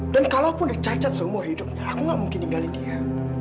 dan kalaupun dia cacat seumur hidupnya aku gak mungkin ninggalin dia